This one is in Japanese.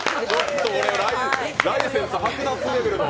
ライセンス剥奪レベルの。